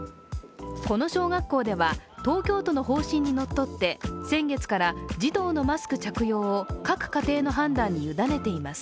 この小学校では東京都の方針にのっとって、先月から児童のマスク着用を各家庭の判断に委ねています。